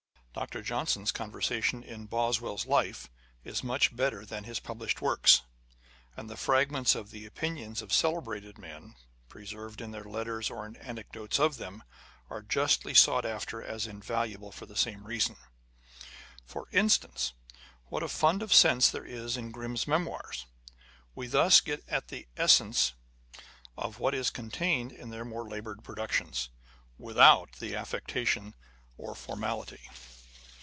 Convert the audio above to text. Dr. Johnson's conversation in Boswell's Life is much better than his published works : and the fragments of the opinions of celebrated men, preserved in their letters or in anecdotes of them, are justly sought after as invaluable for the same reason. For instance, what a fund of sense there is in Grimm's Memoirs ! We thus get at the essence of what is contained in their more laboured productions, without the affectation or formality.